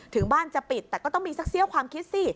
ถึงบ้านจะปิดแต่ก็ต้องมีสักเสี้ยวความคิดสิ